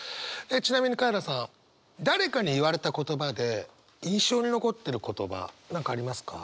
ちなみにカエラさん誰かに言われた言葉で印象に残ってる言葉何かありますか？